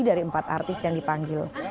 dari empat artis yang dipanggil